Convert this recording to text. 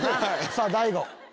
さぁ大悟。